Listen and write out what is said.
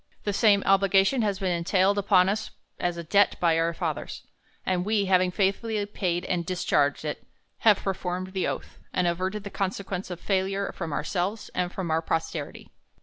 The same obligation has been entailed upon us as a debt by ou fatlitrs ; and we, having faithfully paid and dischargei it THE COLUMBIAN ORATOR. i4S it, have performed the t)ath, and averted the conse quences of failure from ourselves, and from our pos terity.